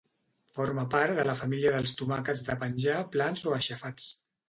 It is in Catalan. Forma part de la família dels tomàquets de penjar plans o aixafats.